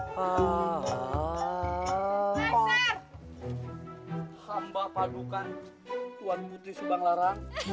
hai ser hamba padukan tuan putri subang larang